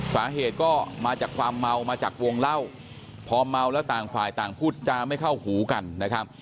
สาเหตุก็มาจากความเมามาจากวงเล่าพอเมาแล้วต่างฝ่ายต่างพูดจาไม่เข้าหูกันนะครับ